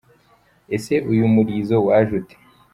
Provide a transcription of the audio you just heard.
Ese uyu murizo waje ute ?.